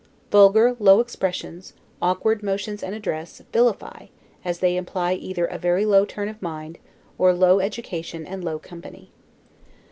Vulgar, low expressions, awkward motions and address, vilify, as they imply either a very low turn of mind, or low education and low company.